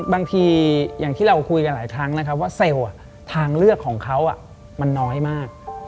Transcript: บางทีอย่างที่เราคุยกันหลายครั้งนะครับว่าเซลล์ทางเลือกของเขามันน้อยมาก